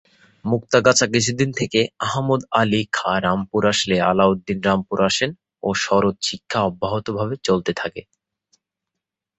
মুক্তাগাছা কিছুদিন থেকে আহমদ আলী খাঁ রামপুর আসলে আলাউদ্দিন রামপুর আসেন ও সরোদ শিক্ষা অব্যাহত ভাবে চলতে থাকে।